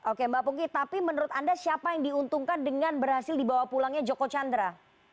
oke mbak pungki tapi menurut anda siapa yang diuntungkan dengan berhasil dibawa pulangnya joko chandra